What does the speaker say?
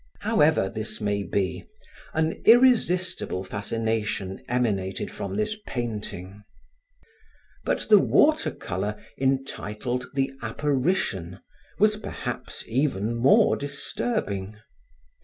However this may be, an irresistible fascination emanated from this painting; but the water color entitled The Apparition was perhaps even more disturbing.